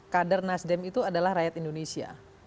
kader nasdem itu adalah rakyat indonesia